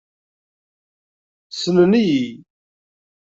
Ssnen-iyi.